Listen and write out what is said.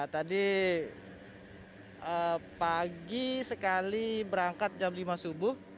tadi pagi sekali berangkat jam lima subuh